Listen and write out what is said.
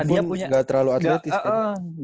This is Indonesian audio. badannya pun gak terlalu atletis kan